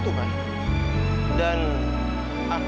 tidak anti singkir what's soap